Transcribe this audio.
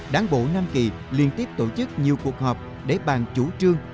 đáng bộ nam kỳ liên tiếp tổ chức nhiều cuộc họp để ban chủ trương